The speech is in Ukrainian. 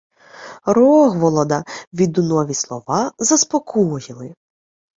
Рогволода відунові слова заспокоїли.